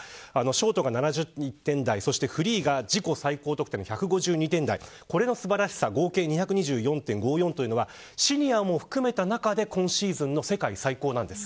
ショートが７１点台フリーが自己最高の１５２点台合計２５２．５４というのはシニアも含んだ中で今シーズンの世界最高なんです。